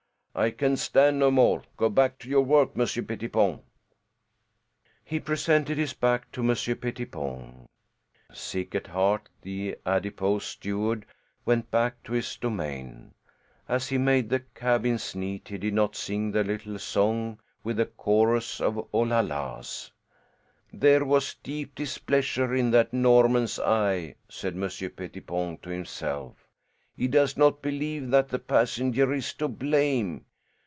"I can stand no more. Go back to your work, Monsieur Pettipon." He presented his back to Monsieur Pettipon. Sick at heart the adipose steward went back to his domain. As he made the cabins neat he did not sing the little song with the chorus of "oo la las." "There was deep displeasure in that Norman's eye," said Monsieur Pettipon to himself. "He does not believe that the passenger is to blame.